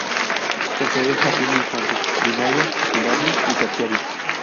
Posee jardín de infantes, primaria, secundario y terciario.